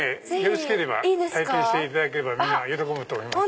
体験していただければみんな喜ぶと思います。